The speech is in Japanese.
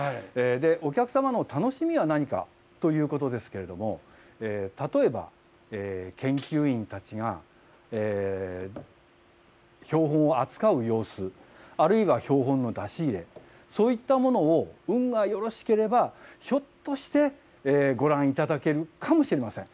お客様の楽しみは何かということですけれども、例えば研究員たちが標本を扱う様子、あるいは標本の出し入れ、そういったものを、運がよろしければ、ひょっとしてご覧いただけるかもしれません。